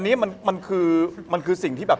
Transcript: อันนี้มันคือมันคือสิ่งที่แบบ